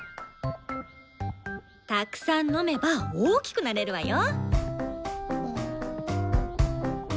たくさん飲めば大きくなれるわよ。